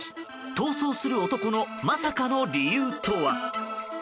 逃走する男のまさかの理由とは？